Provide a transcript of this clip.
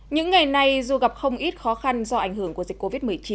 những ngày này dù gặp không ít khó khăn do ảnh hưởng của dịch covid một mươi chín